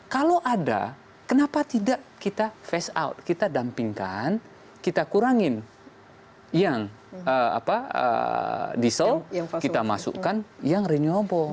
kalau ada kenapa tidak kita fast out kita dampingkan kita kurangin yang diesel kita masukkan yang renewable